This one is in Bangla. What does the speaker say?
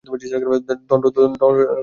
দণ্ড স্বীকার করতেই হবে।